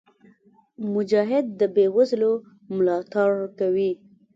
مجاهد د بېوزلو ملاتړ کوي.